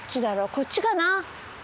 こっちかな？